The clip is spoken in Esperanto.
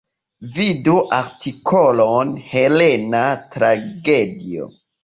Vidu artikolon Helena tragedio.